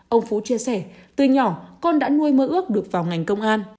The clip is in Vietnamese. ông phú chia sẻ từ nhỏ con đã nuôi mơ ước được vào ngành công an